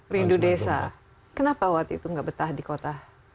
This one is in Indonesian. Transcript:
rindu desa kenapa waktu itu nggak betah di kota